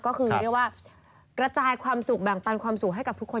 ก็คือเรียกว่ากระจายความสุขแบ่งปันความสุขให้กับทุกคน